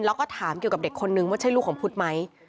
แล้วก็ถามเกี่ยวกับเด็กคนนึงว่าใช่ลูกของพุทธไหม